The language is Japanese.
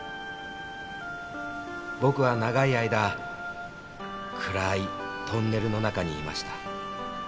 「僕は長い間暗いトンネルの中にいました」